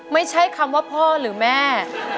ไม่ใช่คำว่าพ่อหรือแม่